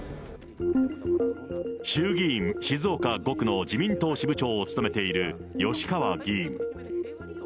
衆議院静岡５区の自民党支部長を務めている吉川議員。